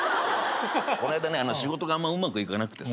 こないだね仕事があんまうまくいかなくてさ。